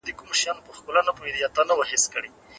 ولي هوډمن سړی د هوښیار انسان په پرتله خنډونه ماتوي؟